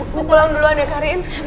ibu pulang duluan ya karin